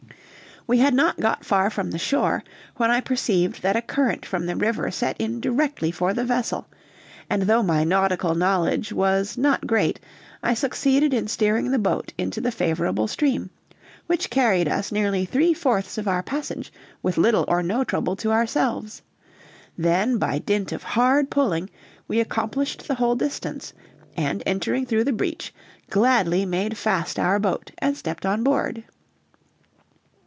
We had not got far from the shore, when I perceived that a current from the river set in directly for the vessel, and though my nautical knowledge was not great, I succeeded in steering the boat into the favorable stream, which carried us nearly three fourths of our passage with little or no trouble to ourselves; then, by dint of hard pulling, we accomplished the whole distance, and entering through the breach, gladly made fast our boat and stepped on board.